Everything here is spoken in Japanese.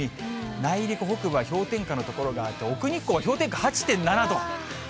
内陸北部は氷点下の所があって、奥日光は氷点下８．７度。